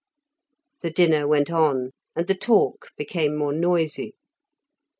The dinner went on, and the talk became more noisy.